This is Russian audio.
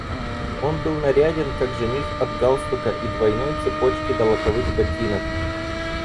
Он был наряден, как жених, от галстука и двойной цепочки до лаковых ботинок.